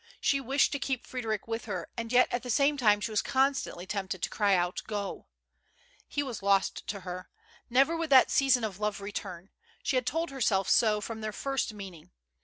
She wished to keep Frederic with her, and yet at the same time she was constantly tempted to cry out, " Go !"' He was lost to her; never would that season of love return; she had told herself so from their first meeting.